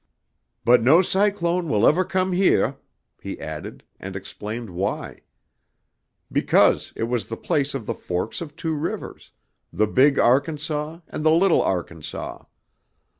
"But no cyclone will ever come here," he added and explained why. Because it was the place of the forks of two rivers, the Big Arkansas and the Little Arkansas.